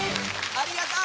ありがとう。